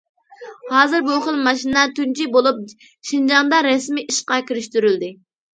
ھازىر بۇ خىل ماشىنا تۇنجى بولۇپ شىنجاڭدا رەسمىي ئىشقا كىرىشتۈرۈلدى.